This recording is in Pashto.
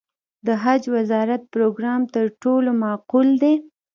د حج وزارت پروګرام تر ټولو معقول دی.